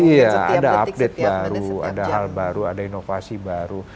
iya ada update baru ada hal baru ada inovasi baru